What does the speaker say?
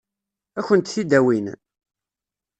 Ad kent-t-id-awin?